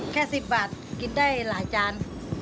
แค่๑๐บาทกินได้หลายจาน